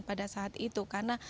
pada saat itu karena